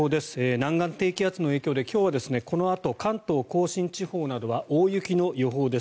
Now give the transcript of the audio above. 南岸低気圧の影響で今日はこのあと関東・甲信地方などは大雪の予報です。